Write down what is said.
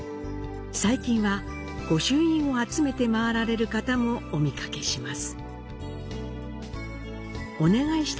最近は、御朱印を集めて回られる方もお見かけします。